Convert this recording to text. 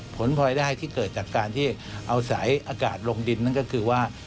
ผลพลอยได้ที่เกิดจากการที่เอาสายอากาศลงดินนั่นก็คือว่า